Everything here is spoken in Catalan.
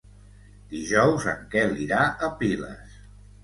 Dijous en Quel irà a Piles.